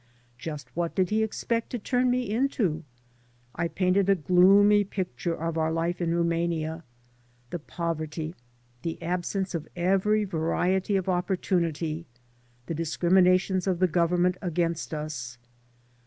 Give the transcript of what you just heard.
Just what did he expect to turn me into? I painted a gloomy picture of our life in Rumania — ^the poverty, the absence of every variety of opportunity, the discriminations of the Government against us.